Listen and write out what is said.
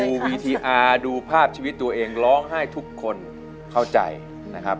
วีทีอาร์ดูภาพชีวิตตัวเองร้องไห้ทุกคนเข้าใจนะครับ